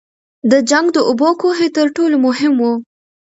د جنګ د اوبو کوهي تر ټولو مهم وو.